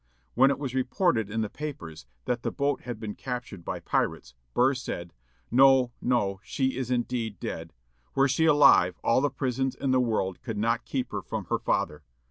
When it was reported in the papers that the boat had been captured by pirates, Burr said, "No, no, she is indeed dead. Were she alive, all the prisons in the world could not keep her from her father.